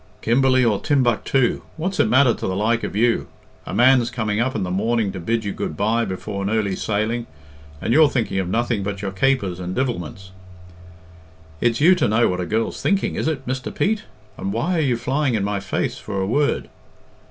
"Kimberley or Timbuctoo, what's it matter to the like of you? A man's coming up in the morning to bid you good bye before an early sailing, and you're thinking of nothing but your capers and divilments." "It's you to know what a girl's thinking, isn't it, Mr. Pete? And why are you flying in my face for a word?"